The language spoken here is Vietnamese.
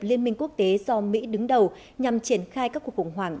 liên minh quốc tế do mỹ đứng đầu nhằm triển khai các cuộc khủng hoảng